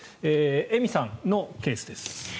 エミさんのケースです。